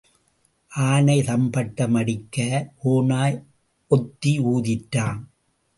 ஆனை தம்பட்டம் அடிக்க ஓநாய் ஒத்து ஊதிற்றாம்.